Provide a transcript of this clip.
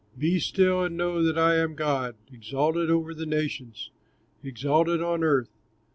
"Be still, and know that I am God, Exalted over the nations, exalted on earth."